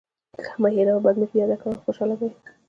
ښه مه هېروه، بد مه پیاده وه. خوشحاله به يې.